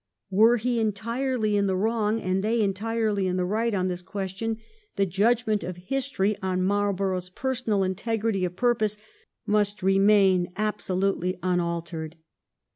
Were he entirely in the wrong and they entirely in the right on this question, the judgment of history 1712 THE DARKEST CHAPTER. 123 on Marlborough's personal integrity of purpose must remain absolutely unaltered.